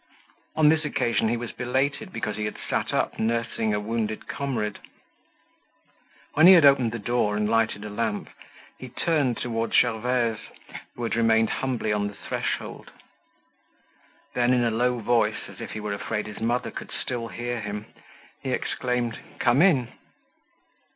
On this occasion he was belated because he had sat up nursing a wounded comrade. When he had opened the door and lighted a lamp, he turned towards Gervaise, who had remained humbly on the threshold. Then, in a low voice, as if he were afraid his mother could still hear him, he exclaimed, "Come in."